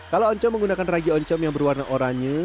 kalau oncom menggunakan ragi oncom yang berwarna oranye